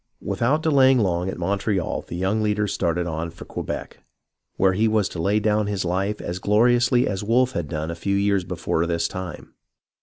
Without delaying long at Montreal the young leader started on for Quebec, where he was to lay down his Ufe as gloriously as Wolfe had done a few years before this time.